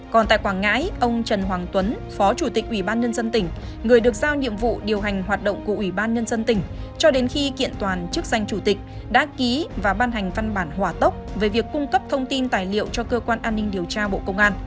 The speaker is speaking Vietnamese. còn tại quảng ngãi ông trần hoàng tuấn phó chủ tịch ủy ban nhân dân tỉnh người được giao nhiệm vụ điều hành hoạt động của ủy ban nhân dân tỉnh cho đến khi kiện toàn chức danh chủ tịch đã ký và ban hành văn bản hỏa tốc về việc cung cấp thông tin tài liệu cho cơ quan an ninh điều tra bộ công an